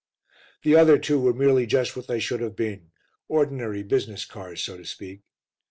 The other two were merely just what they should have been ordinary business cars, so to speak.